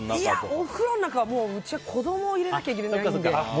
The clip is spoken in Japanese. お風呂の中は子供入れなきゃいけないので。